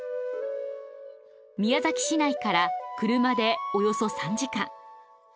宮崎市内から車でおよそ３時間。